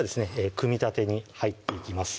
組み立てに入っていきます